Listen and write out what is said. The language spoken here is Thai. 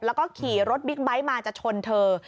แล้วก็ขี่รถบิ๊กไบท์มาจะชนเธอ